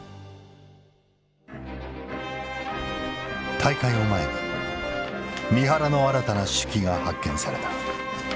大会を前に三原の新たな手記が発見された。